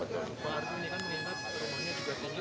pak artung ini kan menimpa peterbangan tinggi padanya tinggi